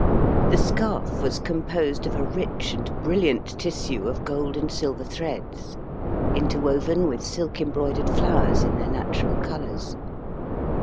The scarf was composed of a rich and brilliant tissue of gold and silver threads, interwoven with silk embroidered flowers in their natural colors.